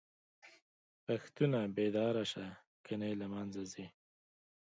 پښتونه!! بيدار شه کنه له منځه ځې